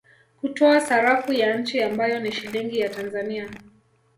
Kutoa sarafu ya nchi ambayo ni Shilingi ya Tanzania